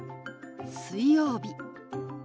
「水曜日」。